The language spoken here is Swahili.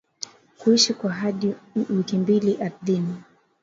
kuishi kwa hadi wiki mbili ardhini